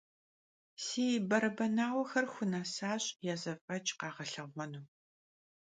Si berebenauexer xunesaş ya zef'eç' khağelheğuenu.